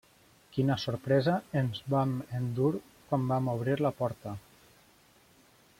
Quina sorpresa ens vam endur quan vam obrir la porta!